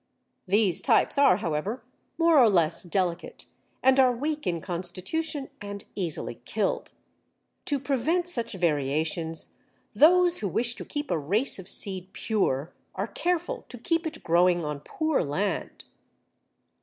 These types are, however, more or less delicate, and are weak in constitution and easily killed. To prevent such variations those who wish to keep a race of seed pure are careful to keep it growing on poor land.